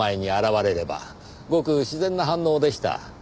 ごく自然な反応でした。